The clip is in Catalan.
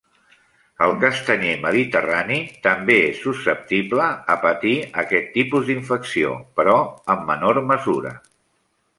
El castanyer mediterrani també és susceptible a patir aquest tipus d'infecció, però en menor mesura.